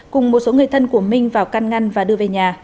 cùng một số người thân của minh vào căn ngăn và đưa về nhà